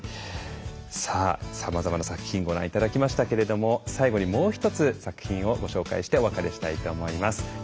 さあさまざまな作品ご覧頂きましたけれども最後にもう一つ作品をご紹介してお別れしたいと思います。